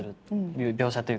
描写というか。